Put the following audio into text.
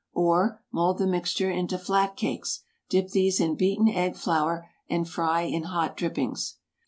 Or, mould the mixture into flat cakes; dip these in beaten egg flour, and fry in hot drippings.